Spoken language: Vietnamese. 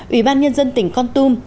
ủy ban nhân dân tỉnh con tum